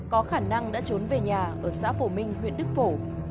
có khả năng đã trốn về nhà ở xã phổ minh huyện đức phổ